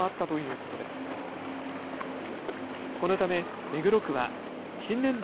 このため目黒区は新年度